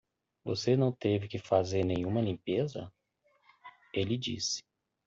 "Você não teve que fazer nenhuma limpeza?" ele disse.